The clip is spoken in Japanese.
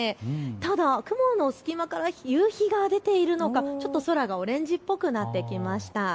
ただ雲の隙間から夕日が出ているのか、ちょっと空がオレンジっぽくなってきました。